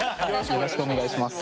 よろしくお願いします。